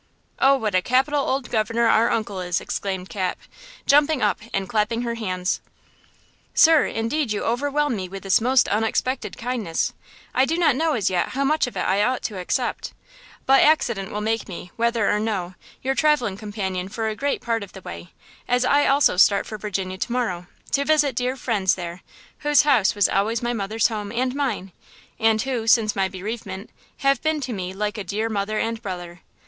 "Oh, what a capital old governor our uncle is!" exclaimed Cap, jumping up and clapping her hands. "Sir, indeed you overwhelm me with this most unexpected kindness! I do not know as yet how much of it I ought to accept. But accident will make me, whether or no, your traveling companion for a great part of the way, as I also start for Virginia to morrow, to visit dear friends there, whose house was always my mother's home and mine, and who, since my bereavement, have been to me like a dear mother and brother.